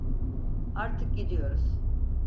Artık gidiyoruz.